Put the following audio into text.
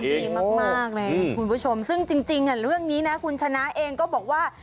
ดีมากเลยคุณผู้ชมซึ่งจริงเรื่องนี้นะคุณชนะเองก็บอกว่า